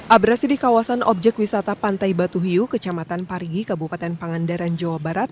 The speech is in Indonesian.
abrasi di kawasan objek wisata pantai batu hiu kecamatan parigi kabupaten pangandaran jawa barat